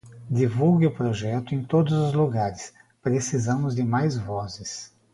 Divulgue o projeto em todos os lugares, precisamos de mais vozes